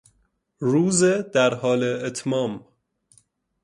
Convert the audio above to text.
روز در حال اتمام